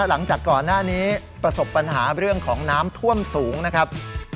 หลังจากก่อนหน้านี้ประสบปัญหาเรื่องของน้ำท่วมสูงนะครับ